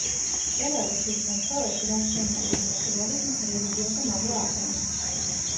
მწერალი ხშირ შემთხვევაში რაციონალურ ნატურალიზმს რელიგიაზე მაღლა აყენებს.